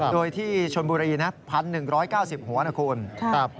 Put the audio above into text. โดยที่ชนบุรีนะ๑๑๙๐หัวนะคุณ